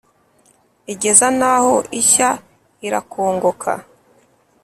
igeza n’aho ishya irakongoka,